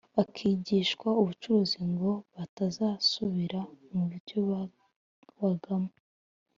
bakigishwa ubucuruzi ngo batazasubira mu byo babagamo